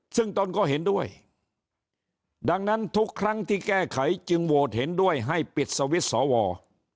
ซึ่งตนก็เห็นด้วยดังนั้นทุกครั้งที่แก้ไขจึงโหวตเห็นด้วยให้ปิดสวิตช์สว